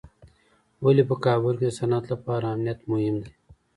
ولي په کابل کي د صنعت لپاره امنیت مهم دی؟